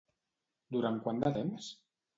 Durant quant de temps?